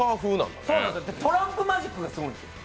トランプマジックがすごいんです。